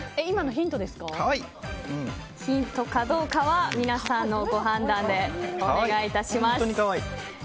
ヒントかどうかは皆さんのご判断でお願いします。